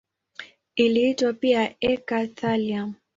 Iliitwa pia eka-thallium.